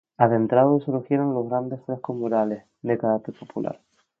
Adentrado el surgieron los grandes frescos murales, de carácter popular.